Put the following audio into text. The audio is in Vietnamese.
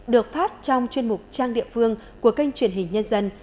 được phát trong chuyên mục trang địa phương của kênh truyền hình nhân dân